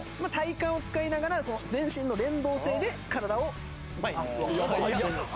体幹を使いながら全身の連動性で体を前に。